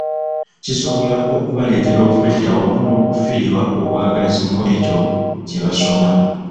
Kisobola okubaleetera okwetya wamu n’okufiirwa obwagazi mu ekyo kye basoma.